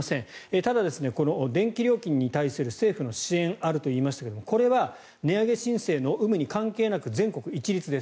ただ、電気料金に対する政府の支援があると言いましたがこれは値上げ申請の有無に関係なく全国一律です。